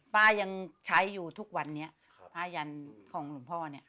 ป้ายังใช้อยู่ทุกวันนี้ป้ายันของหลุมพ่อ